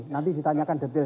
nanti ditanyakan detail